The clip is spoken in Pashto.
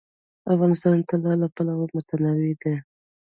افغانستان د طلا له پلوه متنوع دی.